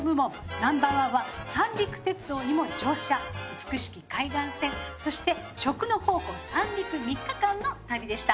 Ｎｏ．１は三陸鉄道にも乗車美しき海岸線そして食の宝庫・三陸３日間の旅でした。